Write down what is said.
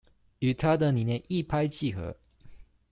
與她的理念一拍即合